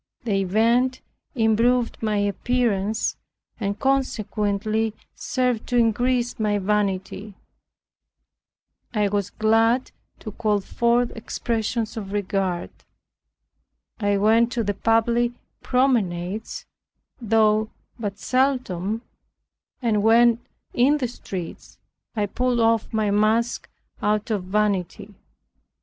The event improved my appearance, and consequently served to increase my vanity. I was glad to call forth expressions of regard. I went to the public promenades (though but seldom) and when in the streets, I pulled off my mask out of vanity.